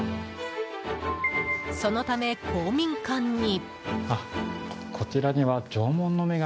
そのため公民館に。